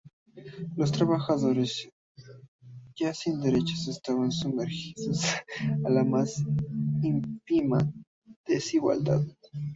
Los trabajadores, ya sin derechos, estaban sumergidos en la más ínfima desigualdad.